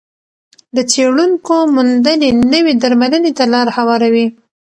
د څېړونکو موندنې نوې درملنې ته لار هواروي.